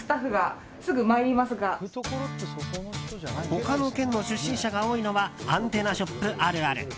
他の県の出身者が多いのはアンテナショップあるある。